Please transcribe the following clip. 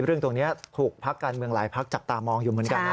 เรื่องตรงนี้ถูกพักการเมืองหลายพักจับตามองอยู่เหมือนกันนะ